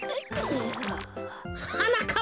はなかっ